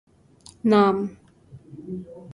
نام؟